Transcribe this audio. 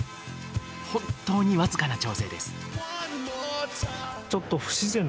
本当に僅かな調整です。